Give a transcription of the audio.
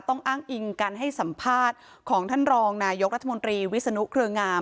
อ้างอิงการให้สัมภาษณ์ของท่านรองนายกรัฐมนตรีวิศนุเครืองาม